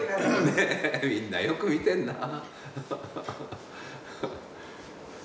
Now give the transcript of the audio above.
ねえみんなよく見てんなぁ。